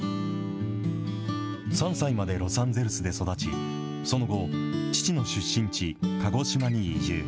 ３歳までロサンゼルスで育ち、その後、父の出身地、鹿児島に移住。